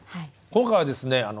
今回はですね